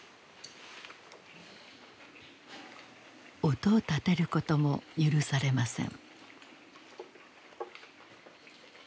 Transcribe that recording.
音を立てることも許されません。